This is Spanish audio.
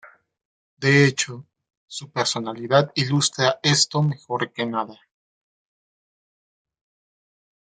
De hecho, su personalidad ilustra esto mejor que nada.